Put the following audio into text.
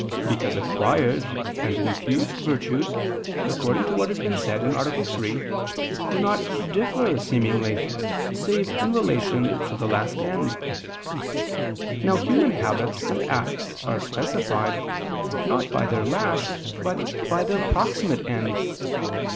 Because acquired and infused virtues, according to what has been said (A. 3), do not differ seemingly, save in relation to the last end. Now human habits and acts are specified, not by their last, but by their proximate end.